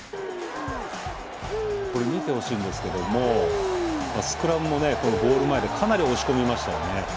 これ見てほしいんですけどもスクラムもねゴール前でかなり押し込みましたよね。